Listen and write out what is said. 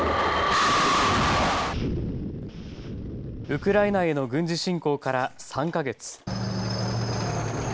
ウクライナへの軍事侵攻から３か月。